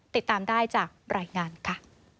ติดตามได้จากรายงานค่ะ